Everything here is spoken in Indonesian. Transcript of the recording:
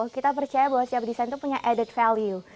kita percaya bahwa setiap desain itu punya added value